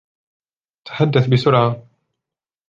تحدثت بسرعة.